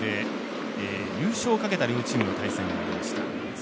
この球場で優勝をかけた両チームの対戦がありました。